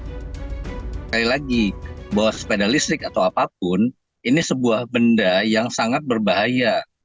sekali lagi bahwa sepeda listrik atau apapun ini sebuah benda yang sangat berbahaya